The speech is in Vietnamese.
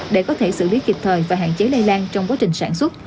để có thể xử lý kịp thời và hạn chế lây lan trong quá trình sản xuất